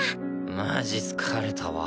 マジ疲れたわ。